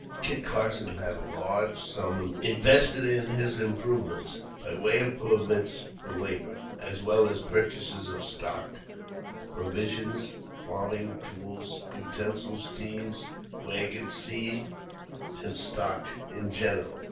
Kit Carson had a large sum invested in his improvements, by way of payments for labor, as well as purchases of stock, provision, farming tools, utensils, teams, wagons, seed, and stock in general.